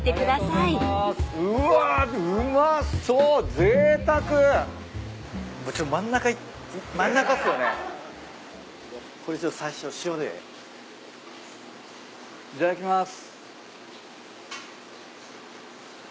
いただきます。